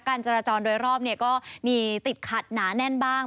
จราจรโดยรอบก็มีติดขัดหนาแน่นบ้าง